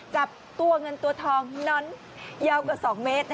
จับตัวเงินตัวทองนั้นยาวกว่า๒เมตร